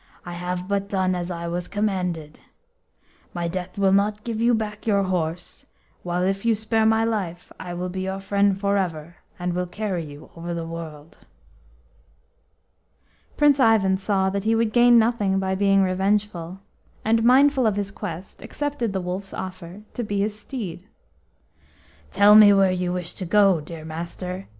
"I have but done as I was commanded. My death will not give you back your horse, while if you spare my life I will be your friend for ever, and will carry you over the world." Prince Ivan saw that he would gain nothing by being revengeful, and, mindful of his quest, accepted the Wolf's offer to be his steed. "Tell me where you wish to go, dear master!"